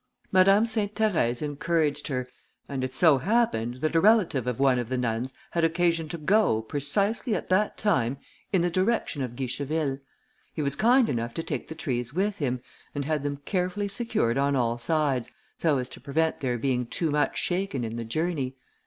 Madame Sainte Therèse encouraged her, and it so happened, that a relative of one of the nuns had occasion to go, precisely at that time, in the direction of Guicheville. He was kind enough to take the trees with him, and had them carefully secured on all sides, so as to prevent their being too much shaken in the journey.